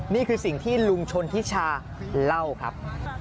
นี่คือสิ่งที่ลุงชนทิชาเล่าครับ